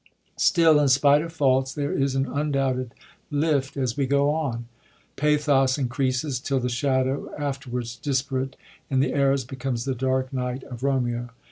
Still, in spite of faults, there is an undoubted lift as we go on; pathos increases till the shadow, after wards disperst, in the Errors, becomes the dark night of Romeo.